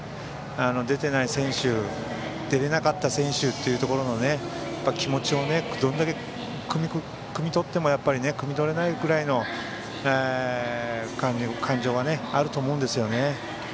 出てない選手出れなかった選手というところの気持ちを、どれだけくみ取ってもくみ取れないくらいの感情があると思うんですよね。